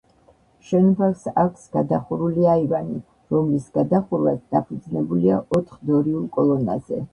შენობას აქვს გადახურული აივანი, რომლის გადახურვაც დაფუძნებულია ოთხ დორიულ კოლონაზე.